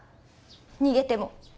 逃げても。